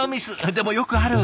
でもよくある！